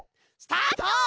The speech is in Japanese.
スタート！